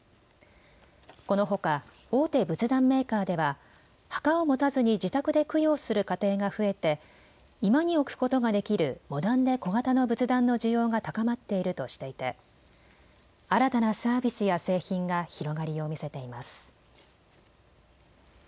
このほか大手仏壇メーカーでは墓を持たずに自宅で供養する家庭が増えて居間に置くことができるモダンで小型の仏壇の需要が高まっているとしていて新たなサービスや製品が広がりを見せています。